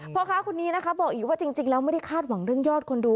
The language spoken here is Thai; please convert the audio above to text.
พ่อค้าคนนี้นะคะบอกอีกว่าจริงแล้วไม่ได้คาดหวังเรื่องยอดคนดู